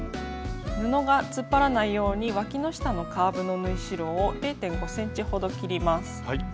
布が突っ張らないようにわきの下のカーブの縫い代を０．５ｃｍほど切ります。